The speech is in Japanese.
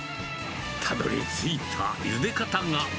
たどりついたゆで方が。